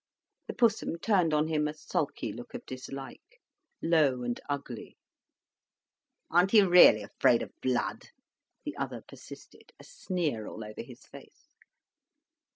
The Pussum turned on him a sulky look of dislike, low and ugly. "Aren't you really afraid of blud?" the other persisted, a sneer all over his face.